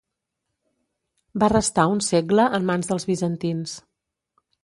Va restar un segle en mans dels bizantins.